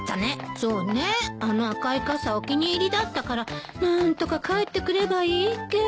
そうねあの赤い傘お気に入りだったから何とか返ってくればいいけど。